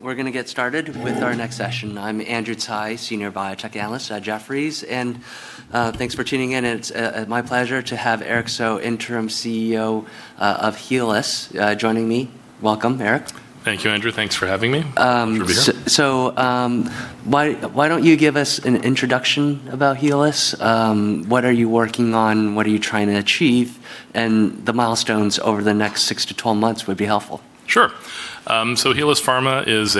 We're going to get started with our next session. I'm Andrew Tsai, Senior Biotech Analyst at Jefferies, and thanks for tuning in. It's my pleasure to have Eric So, Interim CEO of Helus, joining me. Welcome, Eric. Thank you, Andrew. Thanks for having me. Pleasure to be here. Why don't you give us an introduction about Helus? What are you working on? What are you trying to achieve? The milestones over the next 6-12 months would be helpful. Sure. Helus Pharma is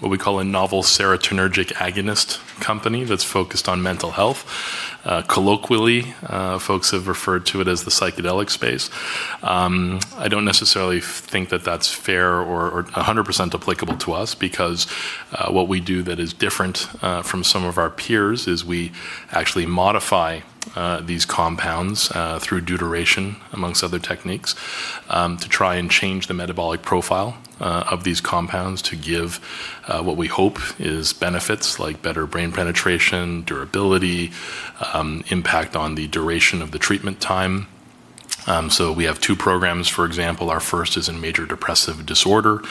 what we call a novel serotonergic agonists company that's focused on mental health. Colloquially, folks have referred to it as the psychedelic space. I don't necessarily think that that's fair or 100% applicable to us because what we do that is different from some of our peers is we actually modify these compounds, through deuteration amongst other techniques, to try and change the metabolic profile of these compounds to give what we hope is benefits, like better brain penetration, durability, impact on the duration of the treatment time. We have two programs. For example, our first is in major depressive disorder.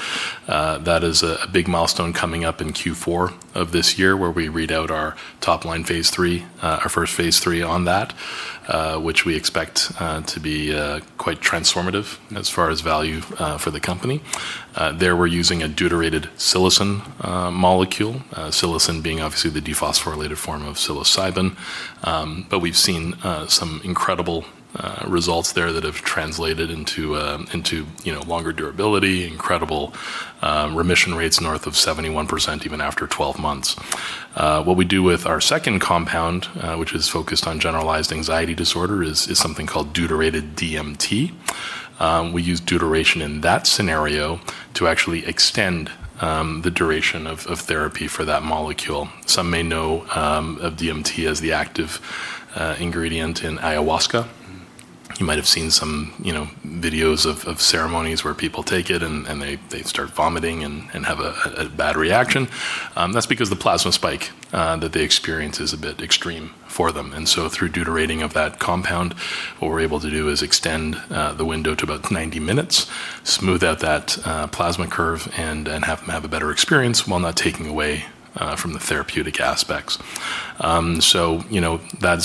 That is a big milestone coming up in Q4 of this year, where we read out our top-line phase III, our first phase III on that, which we expect to be quite transformative as far as value for the company. There we're using a deuterated psilocin molecule, psilocin being obviously the dephosphorylated form of psilocybin. We've seen some incredible results there that have translated into longer durability, incredible remission rates north of 71%, even after 12 months. What we do with our second compound, which is focused on generalized anxiety disorder, is something called deuterated DMT. We use deuteration in that scenario to actually extend the duration of therapy for that molecule. Some may know of DMT as the active ingredient in ayahuasca. You might have seen some videos of ceremonies where people take it and they start vomiting and have a bad reaction. That's because the plasma spike that they experience is a bit extreme for them. Through deuterating of that compound, what we're able to do is extend the window to about 90 minutes, smooth out that plasma curve, and have them have a better experience while not taking away from the therapeutic aspects. That's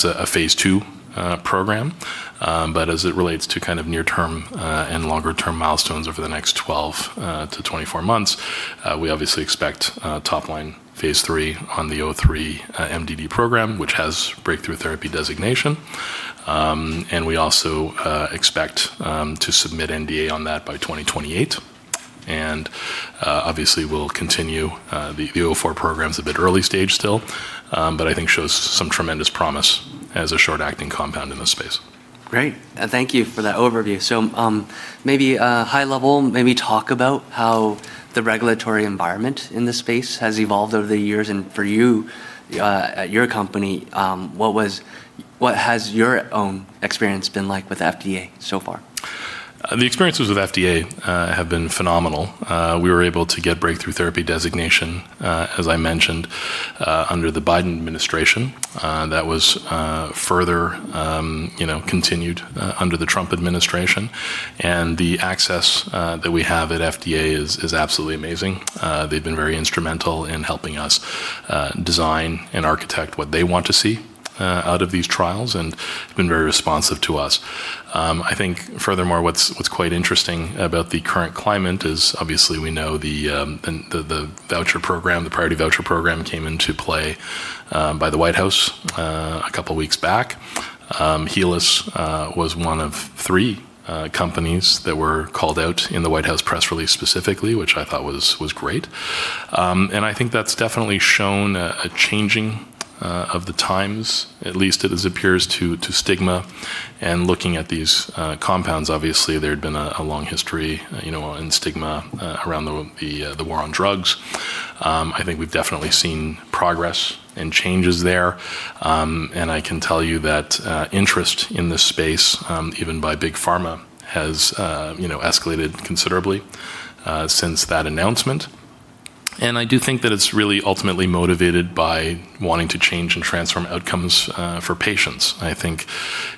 a phase II program. As it relates to kind of near term and longer term milestones over the next 12-24 months, we obviously expect top-line phase III on the HLP003 MDD program, which has Breakthrough Therapy Designation. We also expect to submit NDA on that by 2028. Obviously, we'll continue the HLP004 program is a bit early stage still, but I think shows some tremendous promise as a short-acting compound in this space. Great. Thank you for that overview. Maybe high level, maybe talk about how the regulatory environment in this space has evolved over the years and for you, at your company, what has your own experience been like with FDA so far? The experiences with FDA have been phenomenal. We were able to get Breakthrough Therapy Designation, as I mentioned, under the Biden administration. That was further continued under the Trump administration. The access that we have at FDA is absolutely amazing. They've been very instrumental in helping us design and architect what they want to see out of these trials and have been very responsive to us. I think furthermore, what's quite interesting about the current climate is obviously we know the voucher program, the Priority Review Voucher program, came into play by the White House a couple of weeks back. Helus was one of three companies that were called out in the White House press release, specifically, which I thought was great. I think that's definitely shown a changing of the times, at least as it appears to stigma, and looking at these compounds. Obviously, there had been a long history in stigma around the war on drugs. I think we've definitely seen progress and changes there. I can tell you that interest in this space, even by big pharma, has escalated considerably since that announcement. I do think that it's really ultimately motivated by wanting to change and transform outcomes for patients. I think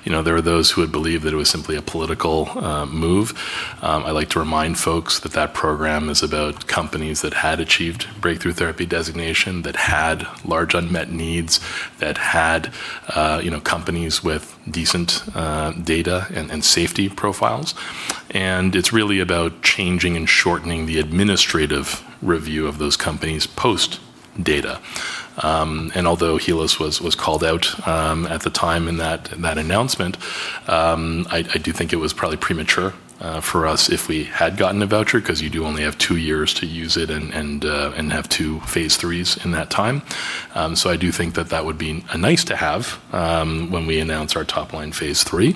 there are those who would believe that it was simply a political move. I like to remind folks that that program is about companies that had achieved Breakthrough Therapy Designation, that had large unmet needs, that had companies with decent data and safety profiles. It's really about changing and shortening the administrative review of those companies post-data. Although Helus was called out at the time in that announcement, I do think it was probably premature for us if we had gotten a voucher because you do only have two years to use it and have two phase IIIs in that time. I do think that that would be nice to have when we announce our top-line phase III.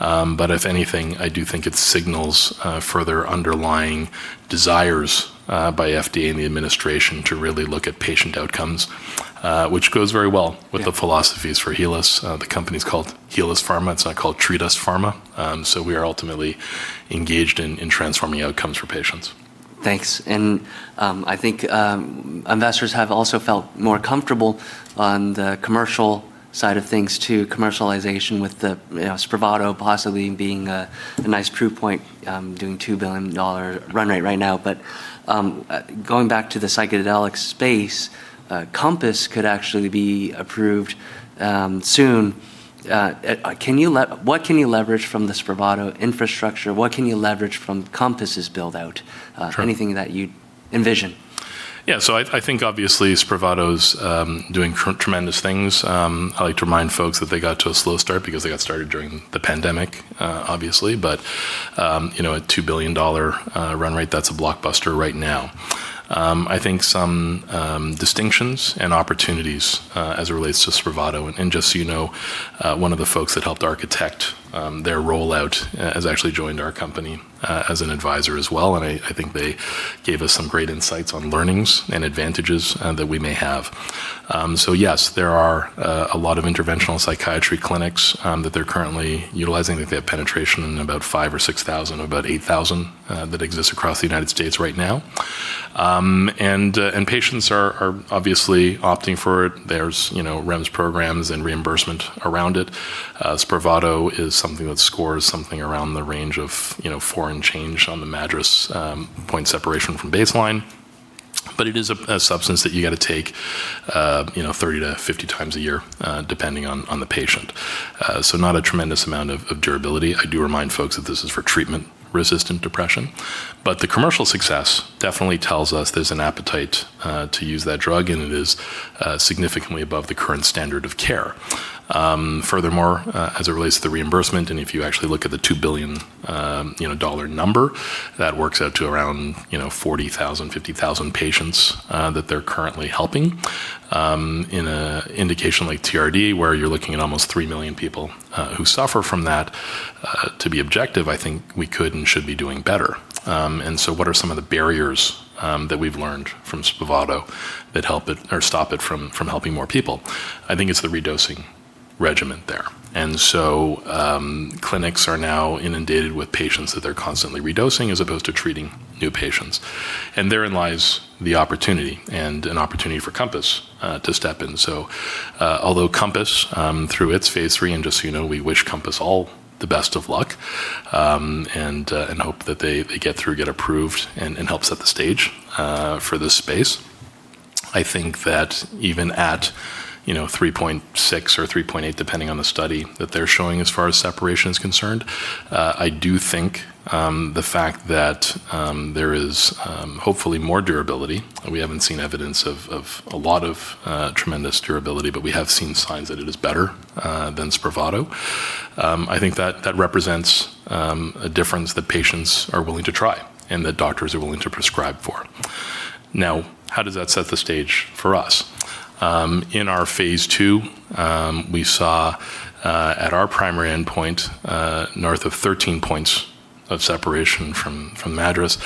If anything, I do think it signals further underlying desires by FDA and the administration to really look at patient outcomes, which goes very well with the philosophies for Helus. The company's called Helus Pharma. It's not called Treat Us Pharma. We are ultimately engaged in transforming outcomes for patients. Thanks. I think investors have also felt more comfortable on the commercial side of things too, commercialization with the SPRAVATO possibly being a nice proof point, doing $2 billion run rate right now. Going back to the psychedelic space, Compass could actually be approved soon. What can you leverage from the SPRAVATO infrastructure? What can you leverage from Compass's build-out? Sure. Anything that you envision? Yeah. I think obviously SPRAVATO's doing tremendous things. I like to remind folks that they got to a slow start because they got started during the pandemic, obviously. At $2 billion run rate, that's a blockbuster right now. I think some distinctions and opportunities as it relates to SPRAVATO, and just so you know, one of the folks that helped architect their rollout has actually joined our company as an advisor as well. I think they gave us some great insights on learnings and advantages that we may have. Yes, there are a lot of interventional psychiatry clinics that they're currently utilizing, that they have penetration in about 5,000 or 6,000, about 8,000 that exist across the United States right now. Patients are obviously opting for it. There's REMS programs and reimbursement around it. SPRAVATO is something that scores something around the range of a four-point difference on the MADRS point separation from baseline; it is a substance that you got to take 30-50 times a year, depending on the patient. Not a tremendous amount of durability. I do remind folks that this is for treatment-resistant depression, the commercial success definitely tells us there's an appetite to use that drug, it is significantly above the current standard of care. Furthermore, as it relates to the reimbursement, if you actually look at the $2 billion number, that works out to around 40,000, 50,000 patients that they're currently helping. In an indication like TRD, where you're looking at almost 3 million people who suffer from that, to be objective, I think we could and should be doing better. What are some of the barriers that we've learned from SPRAVATO that stop it from helping more people? I think it's the redosing regimen there. Clinics are now inundated with patients that they're constantly redosing as opposed to treating new patients. Therein lies the opportunity, and an opportunity for Compass to step in. Although Compass, through its phase III, and just you know, we wish Compass all the best of luck, and hope that they get through, get approved, and help set the stage for this space. I think that even at 3.6 or 3.8 points, depending on the study that they're showing as far as separation is concerned, I do think the fact that there is hopefully more durability, we haven't seen evidence of a lot of tremendous durability, but we have seen signs that it is better than SPRAVATO. I think that represents a difference that patients are willing to try and that doctors are willing to prescribe for. How does that set the stage for us? In our phase II, we saw at our primary endpoint, north of 13 points of separation from MADRS.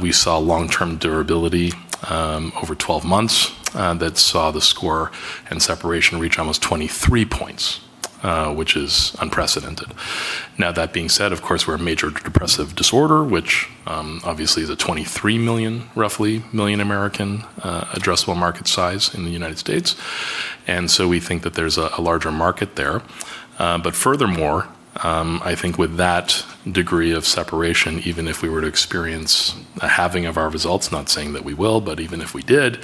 We saw long-term durability over 12 months that saw the score and separation reach almost 23 points, which is unprecedented. That being said, of course, we're a major depressive disorder, which obviously is a $23 million, roughly, million American addressable market size in the United States, we think that there's a larger market there. Furthermore, I think with that degree of separation, even if we were to experience a halving of our results, not saying that we will, but even if we did,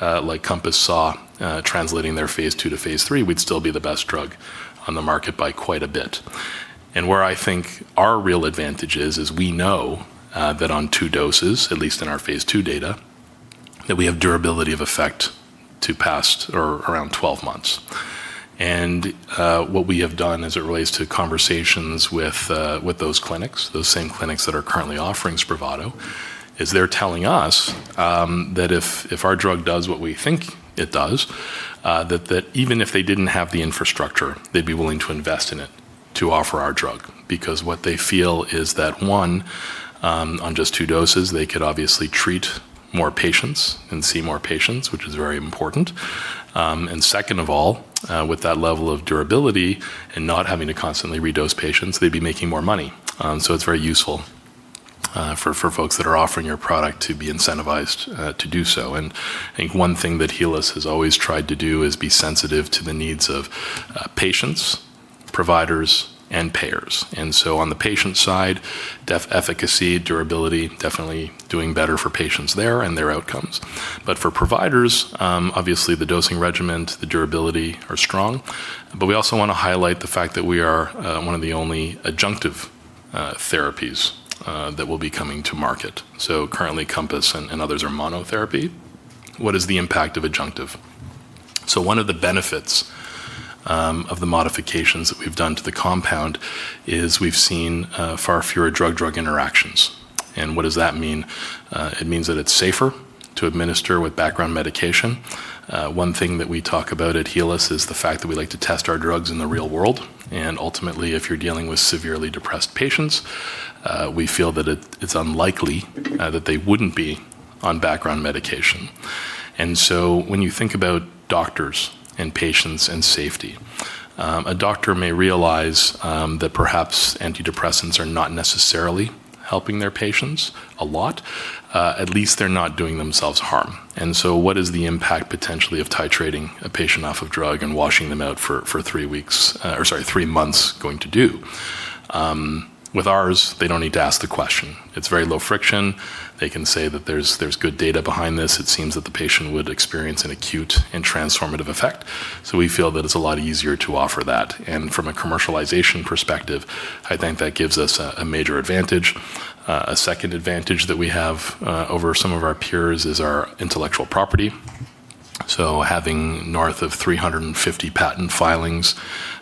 like Compass saw translating their phase II to phase III, we'd still be the best drug on the market by quite a bit. Where I think our real advantage is we know that on two doses, at least in our phase II data, that we have durability of effect to around 12 months. What we have done as it relates to conversations with those clinics, those same clinics that are currently offering SPRAVATO, is they're telling us that if our drug does what we think it does, that even if they didn't have the infrastructure, they'd be willing to invest in it to offer our drug. What they feel is that, one, on just two doses, they could obviously treat more patients and see more patients, which is very important. Second of all, with that level of durability and not having to constantly redose patients, they'd be making more money. It's very useful for folks that are offering your product to be incentivized to do so. I think one thing that Helus has always tried to do is be sensitive to the needs of patients, providers, and payers. On the patient side, efficacy, durability, definitely doing better for patients there and their outcomes. For providers, obviously, the dosing regimen, the durability are strong. We also want to highlight the fact that we are one of the only adjunctive therapies that will be coming to market. Currently, Compass and others are monotherapies. What is the impact of adjunctive? One of the benefits of the modifications that we've done to the compound is we've seen far fewer drug-drug interactions. What does that mean? It means that it's safer to administer with background medication. One thing that we talk about at Helus is the fact that we like to test our drugs in the real world. Ultimately, if you're dealing with severely depressed patients, we feel that it's unlikely that they wouldn't be on background medication. When you think about doctors and patients and safety, a doctor may realize that perhaps antidepressants are not necessarily helping their patients a lot. At least they're not doing themselves harm. What is the impact, potentially, of titrating a patient off of drug and washing them out for three months going to do? With ours, they don't need to ask the question. It's very low friction. They can say that there's good data behind this. It seems that the patient would experience an acute and transformative effect. We feel that it's a lot easier to offer that. From a commercialization perspective, I think that gives us a major advantage. A second advantage that we have over some of our peers is our intellectual property. Having north of 350 patent filings,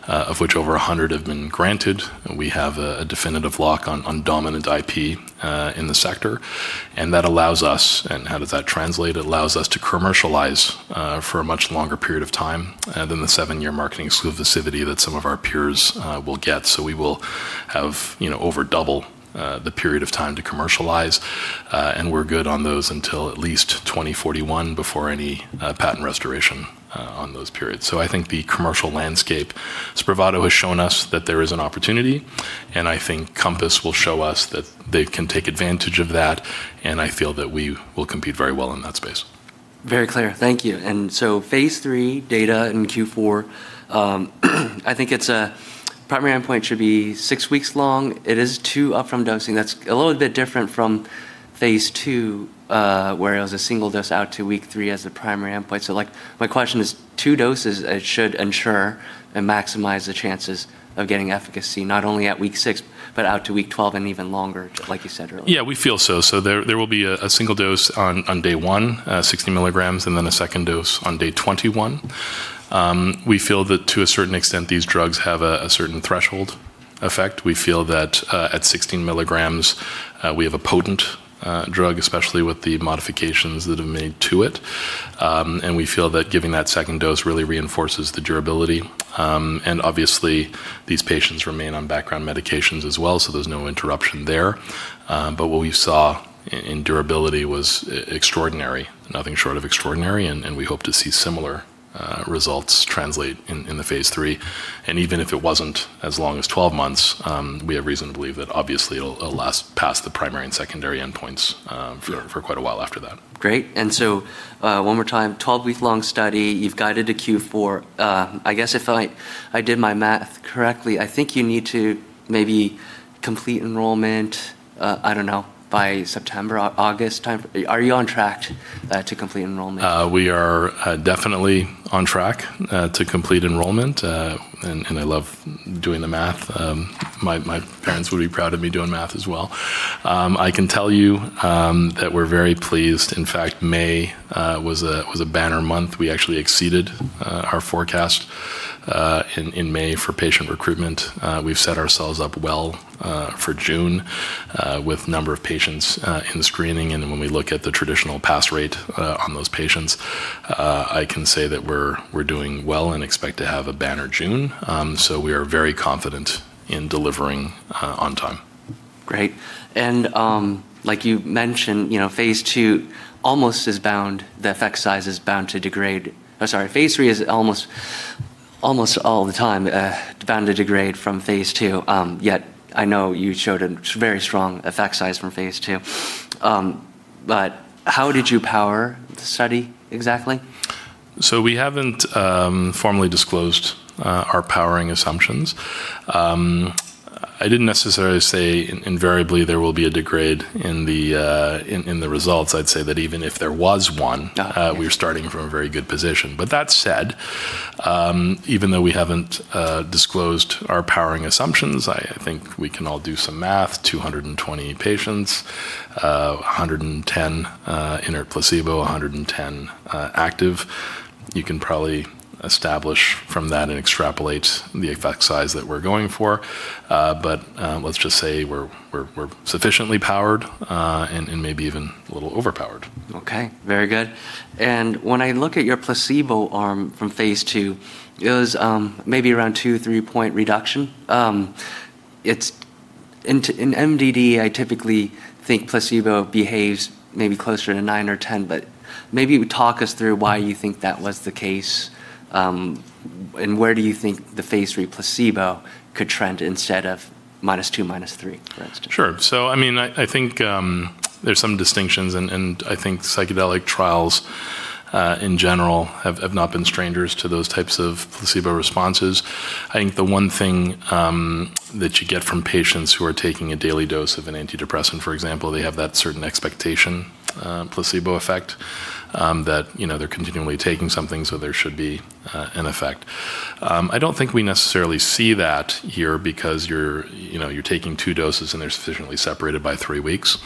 of which over 100 have been granted, we have a definitive lock on dominant IP in the sector. How does that translate? It allows us to commercialize for a much longer period of time than the seven-year marketing exclusivity that some of our peers will get. We will have over double the period of time to commercialize. We're good on those until at least 2041 before any patent restoration on those periods. I think the commercial landscape, SPRAVATO, has shown us that there is an opportunity, and I think Compass will show us that they can take advantage of that, and I feel that we will compete very well in that space. Very clear. Thank you. phase III data in Q4, I think its primary endpoint should be six weeks long. It is two up-from-dosing. That's a little bit different from phase II, where it was a single dose out to week three as the primary endpoint. My question is, two doses should ensure and maximize the chances of getting efficacy not only at week 6 but out to week 12 and even longer, like you said earlier. Yeah, we feel so. There will be a single dose on day one, 16 mg, and then a second dose on day 21. We feel that to a certain extent, these drugs have a certain threshold effect. We feel that at 16 mg, we have a potent drug, especially with the modifications that are made to it. We feel that giving that second dose really reinforces the durability. Obviously, these patients remain on background medications as well, so there's no interruption there. What we saw in durability was extraordinary, nothing short of extraordinary, and we hope to see similar results translate in the phase III. Even if it wasn't as long as 12 months, we have reason to believe that obviously it'll last past the primary and secondary endpoints for quite a while after that. Great. One more time, 12-week-long study, you've guided to Q4. I guess if I did my math correctly, I think you need to maybe complete enrollment, I don't know, by September or August time. Are you on track to complete enrollment? We are definitely on track to complete enrollment. I love doing the math. My parents would be proud of me doing math as well. I can tell you that we're very pleased. In fact, May was a banner month. We actually exceeded our forecast in May for patient recruitment. We've set ourselves up well for June with number of patients in screening. When we look at the traditional pass rate on those patients, I can say that we're doing well and expect to have a banner June. We are very confident in delivering on time. Great. Like you mentioned, phase III is almost all the time bound to degrade from phase II. I know you showed a very strong effect size from phase II. How did you power the study exactly? We haven't formally disclosed our powering assumptions. I didn't necessarily say invariably there will be a degrade in the results. I'd say that even if there was one. Okay. We're starting from a very good position. That said, even though we haven't disclosed our powering assumptions, I think we can all do some math: 220 patients, 110 in a placebo, 110 active. You can probably establish from that and extrapolate the effect size that we're going for. Let's just say we're sufficiently powered and maybe even a little overpowered. Okay. Very good. When I look at your placebo arm from phase II, it was maybe around two, three-point reduction. In MDD, I typically think placebo behaves maybe closer to nine or 10. Maybe talk us through why you think that was the case, and where do you think the phase III placebo could trend instead of minus two points, minus three points, for instance. Sure. I think there's some distinctions, and I think psychedelic trials in general have not been strangers to those types of placebo responses. I think the one thing that you get from patients who are taking a daily dose of an antidepressant, for example, they have that certain expectation placebo effect that they're continually taking something, so there should be an effect. I don't think we necessarily see that here because you're taking two doses, and they're sufficiently separated by three weeks.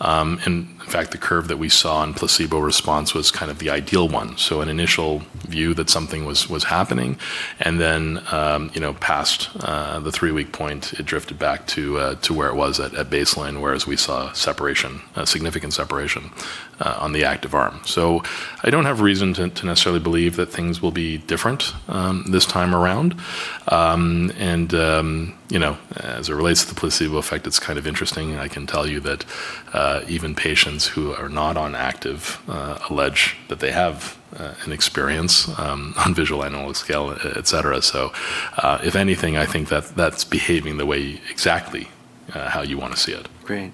In fact, the curve that we saw in placebo response was kind of the ideal one. An initial view that something was happening, and then past the three-week point, it drifted back to where it was at baseline, whereas we saw significant separation on the active arm. I don't have reason to necessarily believe that things will be different this time around. As it relates to the placebo effect, it's kind of interesting. I can tell you that even patients who are not on active allege that they have an experience on visual analog scale, et cetera. If anything, I think that's behaving exactly how you want to see it. Great.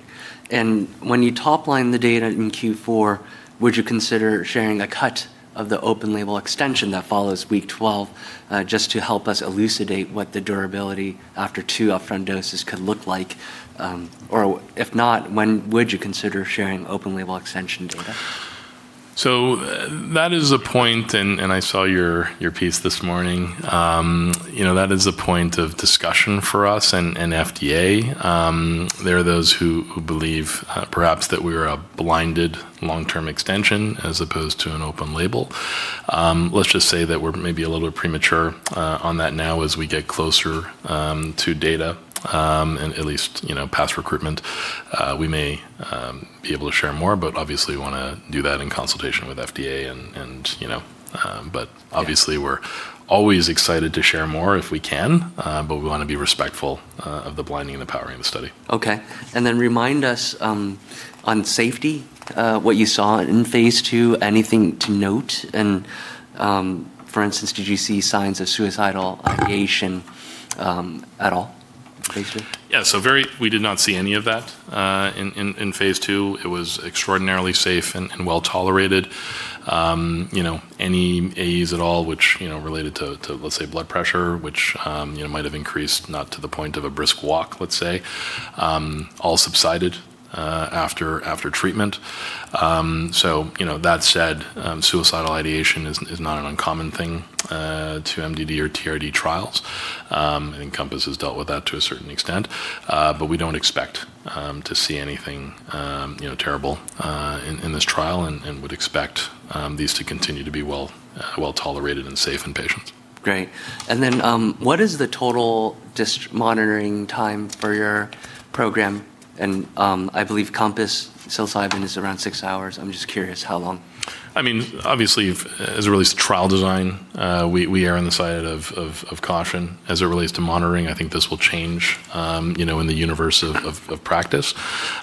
When you top-line the data in Q4, would you consider sharing a cut of the open label extension that follows week 12, just to help us elucidate what the durability after two upfront doses could look like? If not, when would you consider sharing open label extension data? That is a point, and I saw your piece this morning. That is a point of discussion for us and FDA. There are those who believe perhaps that we are a blinded long-term extension as opposed to an open label. Let's just say that we're maybe a little bit premature on that now as we get closer to data, and at least past recruitment. We may be able to share more, obviously want to do that in consultation with FDA. Obviously, we're always excited to share more if we can, but we want to be respectful of the blinding and the powering of the study. Okay. Remind us, on safety, what you saw in phase II, anything to note? For instance, did you see signs of suicidal ideation at all in phase II? Yeah, we did not see any of that in phase II. It was extraordinarily safe and well-tolerated. Any AEs at all, which related to, let's say, blood pressure, which might have increased, not to the point of a brisk walk, let's say, all subsided after treatment. That said, suicidal ideation is not an uncommon thing to MDD or TRD trials. Compass has dealt with that to a certain extent. We don't expect to see anything terrible in this trial and would expect these to continue to be well tolerated and safe in patients. Great. What is the total monitoring time for your program? I believe Compass psilocybin is around six hours. I'm just curious how long. Obviously, as it relates to trial design, we err on the side of caution. As it relates to monitoring, I think this will change in the universe of practice.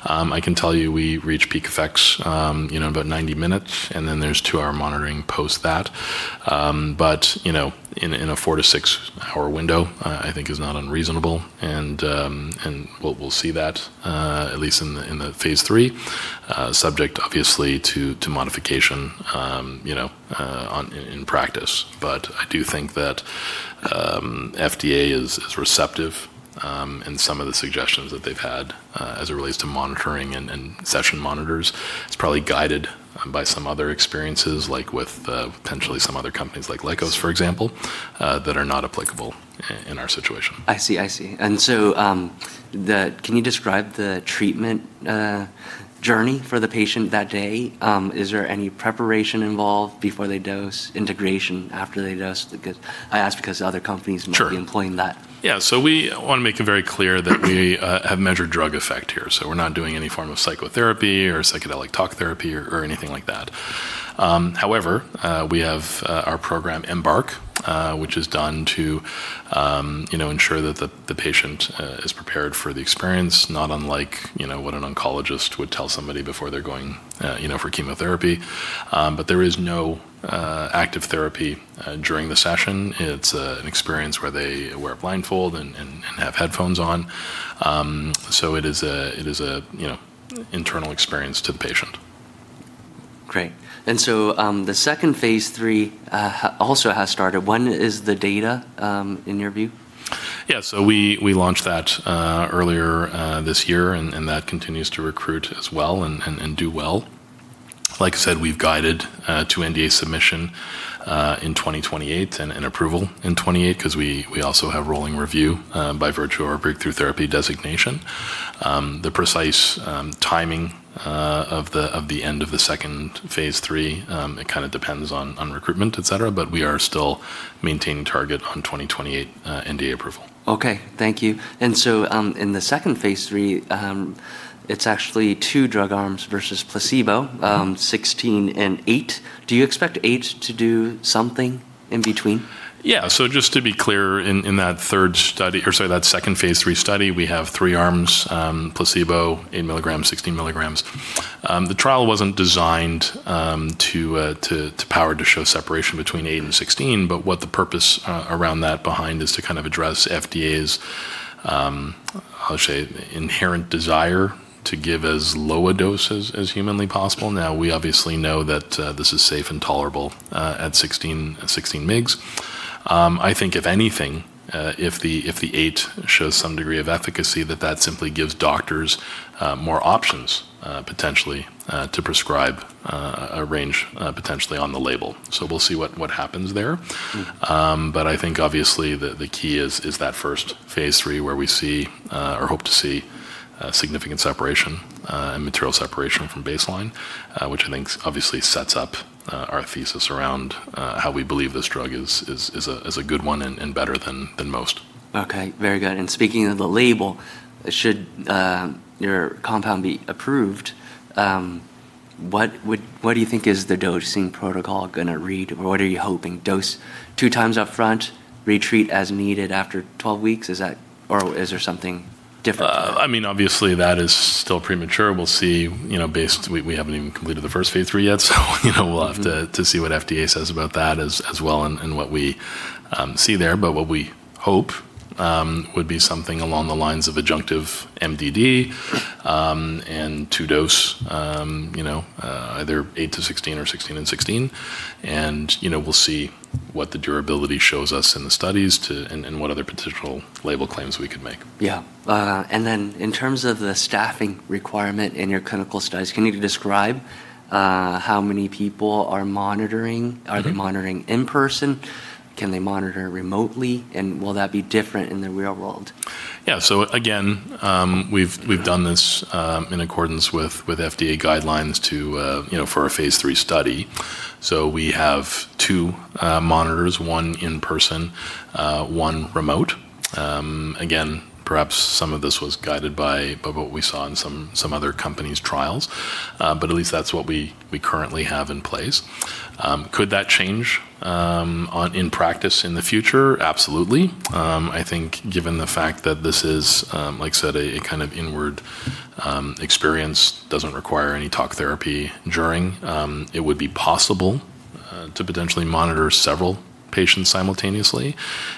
I can tell you we reach peak effects in about 90 minutes, and then there's two-hour monitoring post that. In a four to six-hour window, I think is not unreasonable. We'll see that at least in the phase III, subject obviously to modification in practice. I do think that FDA is receptive in some of the suggestions that they've had as it relates to monitoring and session monitors. It's probably guided by some other experiences, like with potentially some other companies, like Lykos, for example, that are not applicable in our situation. I see. Can you describe the treatment journey for the patient that day? Is there any preparation involved before they dose, integration after they dose, because I ask because other companies. Sure. Might be employing that? Yeah. We want to make it very clear that we have measured drug effect here. We're not doing any form of psychotherapy or psychedelic talk therapy or anything like that. We have our program, EMBARK, which is done to ensure that the patient is prepared for the experience, not unlike what an oncologist would tell somebody before they're going for chemotherapy. There is no active therapy during the session. It's an experience where they wear a blindfold and have headphones on. It is an internal experience to the patient. Great. The second phase III also has started. When is the data, in your view? Yeah. We launched that earlier this year, and that continues to recruit as well and do well. Like I said, we've guided to NDA submission in 2028 and approval in 2028, because we also have rolling review via virtue of our Breakthrough Therapy Designation. The precise timing of the end of the second phase III, it kind of depends on recruitment, et cetera, but we are still maintaining target on 2028 NDA approval. Okay. Thank you. In the second phase III, it's actually two drug arms versus placebo, 16 mg and 8 mg. Do you expect 8 mg to do something in between? Yeah. Just to be clear, in that second phase III study, we have three-arms: placebo, 8 mg, 16 mg. The trial wasn't designed to power to show separation between 8 mg and 16 mg, but what the purpose around that behind is to kind of address FDA's, how should I say, inherent desire to give as low a dose as humanly possible. Now, we obviously know that this is safe and tolerable at 16 mg. I think if anything, if the 8 mg shows some degree of efficacy, that simply gives doctors more options potentially to prescribe a range potentially on the label. We'll see what happens there. I think obviously the key is that first phase III, where we see or hope to see significant separation and material separation from baseline, which I think obviously sets up our thesis around how we believe this drug is a good one and better than most. Okay. Very good. Speaking of the label, should your compound be approved, what do you think is the dosing protocol going to read? Or what are you hoping? Does two times upfront, retreat as needed after 12 weeks? Or is there something different? Obviously, that is still premature. We'll see, we haven't even completed the first phase III yet, so we'll have to see what FDA says about that as well and what we see there. What we hope would be something along the lines of adjunctive MDD and two doses, either 8 mg-16 mg or 16 mg and 16 mg. We'll see what the durability shows us in the studies, and what other potential label claims we could make. Yeah. In terms of the staffing requirement in your clinical studies, can you describe how many people are monitoring? Are they monitoring in person? Can they monitor remotely? Will that be different in the real world? Yeah. Again, we've done this in accordance with FDA guidelines for our phase III study. We have two monitors, one in person, one remote. Again, perhaps some of this was guided by what we saw in some other companies' trials. At least that's what we currently have in place. Could that change in practice in the future? Absolutely. I think, given the fact that this is, like you said, a kind of inward experience, doesn't require any talk therapy during, it would be possible to potentially monitor several patients simultaneously,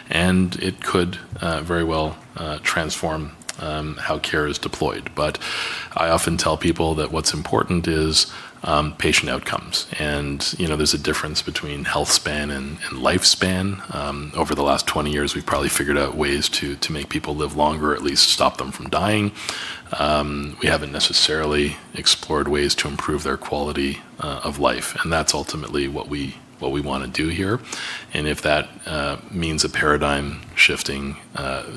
and it could very well transform how care is deployed. I often tell people that what's important is patient outcomes. There's a difference between health span and lifespan. Over the last 20 years, we've probably figured out ways to make people live longer or at least stop them from dying. We haven't necessarily explored ways to improve their quality of life, and that's ultimately what we want to do here. If that means a paradigm-shifting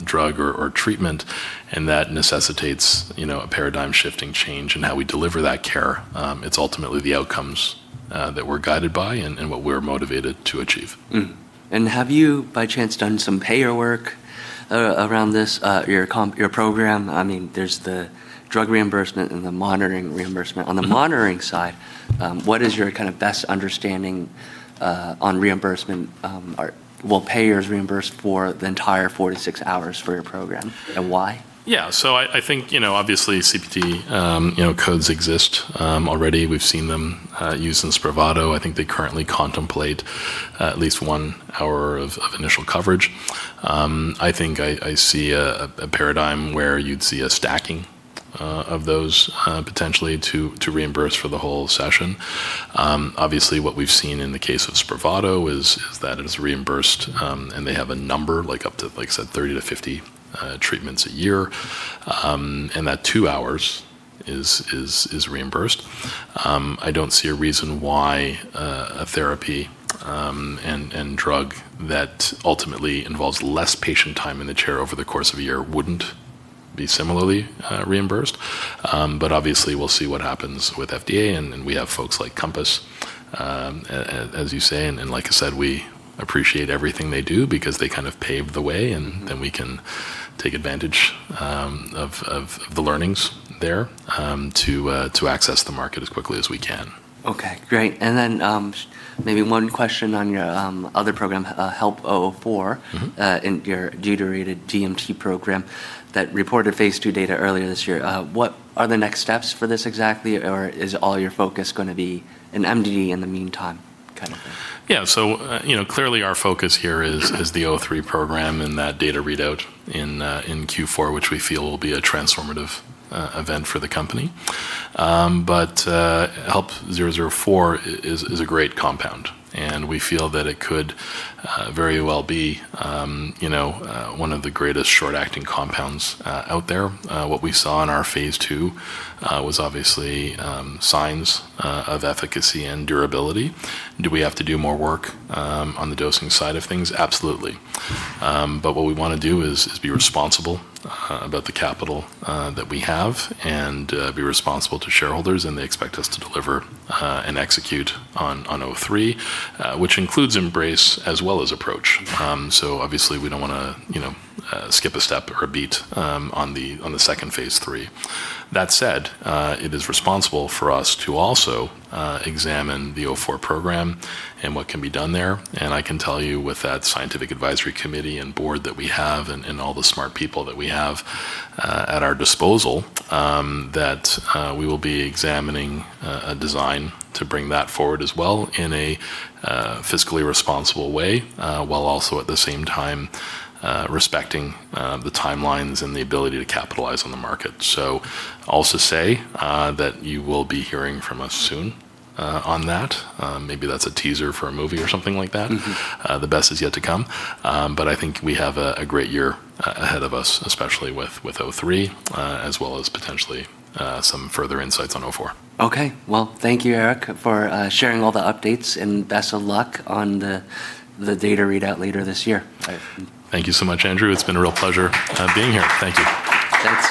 drug or treatment, and that necessitates a paradigm-shifting change in how we deliver that care, it's ultimately the outcomes that we're guided by and what we're motivated to achieve. Mm-hmm. Have you by chance done some payer work around this, your program? There's the drug reimbursement and the monitoring reimbursement. On the monitoring side, what is your best understanding on reimbursement? Will payers reimburse for the entire four to six hours for your program, and why? Yeah. I think, obviously, CPT codes exist already. We've seen them used in SPRAVATO. I think they currently contemplate at least one hour of initial coverage. I think I see a paradigm where you'd see a stacking of those potentially to reimburse for the whole session. Obviously, what we've seen in the case of SPRAVATO is that it is reimbursed, and they have a number, up to, like I said, 30-50 treatments a year, and that two hours is reimbursed. I don't see a reason why a therapy and drug that ultimately involves less patient time in the chair over the course of a year wouldn't be similarly reimbursed. Obviously, we'll see what happens with FDA, and we have folks like Compass, as you say, and like I said, we appreciate everything they do because they kind of pave the way. Then we can take advantage of the learnings there to access the market as quickly as we can. Okay, great. Maybe one question on your other program, HLP004. Your deuterated DMT program that reported phase II data earlier this year. What are the next steps for this exactly? Is all your focus going to be in MDD in the meantime, kind of thing? Yeah. Clearly, our focus here is the HLP003 program and that data readout in Q4, which we feel will be a transformative event for the company. HLP004 is a great compound, and we feel that it could very well be one of the greatest short-acting compounds out there. What we saw in our phase II was obviously signs of efficacy and durability. Do we have to do more work on the dosing side of things? Absolutely. What we want to do is be responsible about the capital that we have and be responsible to shareholders, and they expect us to deliver and execute on HLP003, which includes EMBRACE as well as APPROACH. Obviously, we don't want to skip a step or a beat on the second phase III. That said, it is responsible for us to also examine the HLP004 program and what can be done there. I can tell you with that scientific advisory committee and board that we have and all the smart people that we have at our disposal, that we will be examining a design to bring that forward as well in a fiscally responsible way, while also at the same time respecting the timelines and the ability to capitalize on the market. Also, say that you will be hearing from us soon on that. Maybe that's a teaser for a movie or something like that. The best is yet to come. I think we have a great year ahead of us, especially with HLP003, as well as potentially some further insights on HLP004. Okay. Well, thank you, Eric, for sharing all the updates, and best of luck on the data readout later this year. Thank you so much, Andrew. It's been a real pleasure being here. Thank you. Thanks.